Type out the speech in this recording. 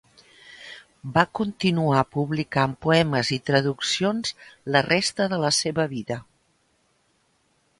Va continuar publicant poemes i traduccions la resta de la seva vida.